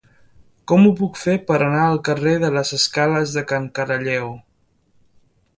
Com ho puc fer per anar al carrer de les Escales de Can Caralleu?